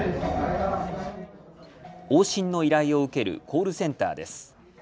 往診の依頼を受けるコールセンターです。